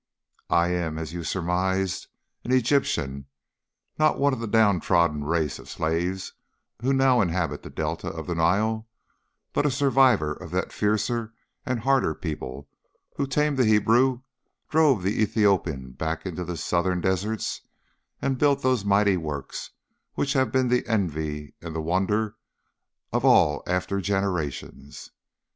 "I am, as you surmised, an Egyptian not one of the down trodden race of slaves who now inhabit the Delta of the Nile, but a survivor of that fiercer and harder people who tamed the Hebrew, drove the Ethiopian back into the southern deserts, and built those mighty works which have been the envy and the wonder of all after generations.